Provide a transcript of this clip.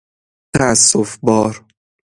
تأسف بار